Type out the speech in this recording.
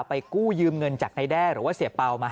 ไปกู้ยืมเงินจากใด้แด้หรือว่าเสียเปล่ามา๕๐๐๐